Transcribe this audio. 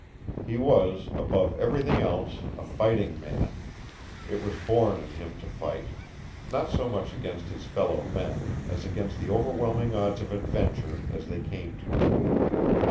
He was, above everything else, a fighting man. It was born in him to fight, not so much against his fellow men as against the overwhelming odds of adventure as they came to him.